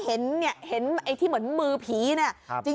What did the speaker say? เห็นเนี่ยเห็นไอ้ที่เหมือนมือผีเนี่ย